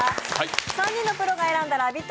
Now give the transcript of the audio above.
３人のプロが選んだラヴィット！